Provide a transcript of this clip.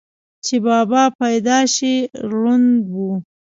چې بابا پېدائشي ړوند وو،